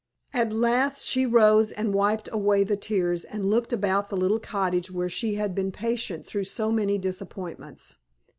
At last she rose and wiped away the tears and looked about the little cottage where she had been patient through so many disappointments.